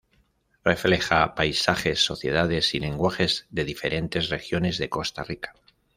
Refleja paisajes, sociedades, y lenguajes de diferentes regiones de Costa Rica.